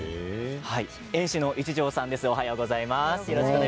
園主の一條さんです。